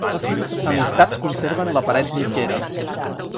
Amistats conserven la paret mitgera.